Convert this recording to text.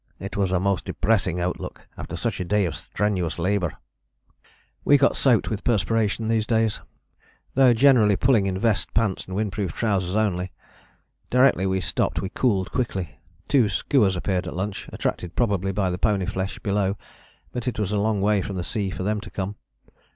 It was a most depressing outlook after such a day of strenuous labour." We got soaked with perspiration these days, though generally pulling in vest, pants, and windproof trousers only. Directly we stopped we cooled quickly. Two skuas appeared at lunch, attracted probably by the pony flesh below, but it was a long way from the sea for them to come.